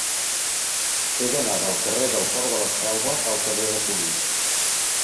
He d'anar del carrer del Port de la Selva al carrer de Cunit.